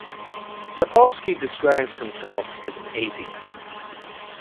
Sapolsky describes himself as an atheist.